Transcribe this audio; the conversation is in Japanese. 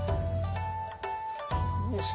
よいしょ。